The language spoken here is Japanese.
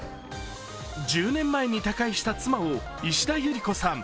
１０年前に他界した妻を石田ゆり子さん。